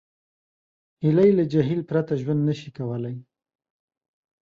هیلۍ له جهیل پرته ژوند نشي کولی